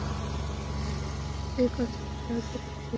এ কথাটা যুক্তিসঙ্গত।